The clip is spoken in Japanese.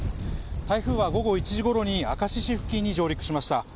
台風は午後１時ごろに明石市付近に上陸しました。